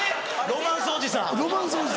ロマンスおじさん。